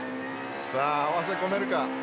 さぁ合わせこめるか。